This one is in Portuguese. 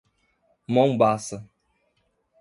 Mombaça